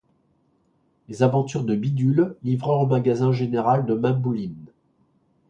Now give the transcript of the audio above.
Les aventures de Bidule, livreur au magasin général de Mame Bouline.